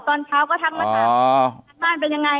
ตอนเช้าก็ทักมาถามบ้านเป็นยังไง